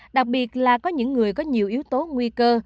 đặc biệt là có những người có nhiều yếu tố nguy cơ